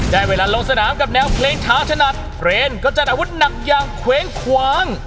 ได้เวลาลงสนามกับแนวเพลงช้าถนัดเพลงก็จัดอาวุธหนักอย่างเคว้งคว้าง